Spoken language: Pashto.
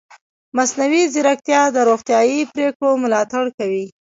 مصنوعي ځیرکتیا د روغتیايي پریکړو ملاتړ کوي.